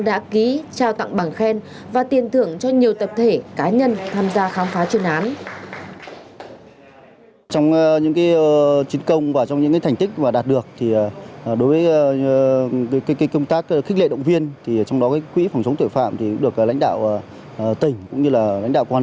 đã ký trao tặng bằng khen và tiền thưởng cho nhiều tập thể cá nhân tham gia khám phá chuyên án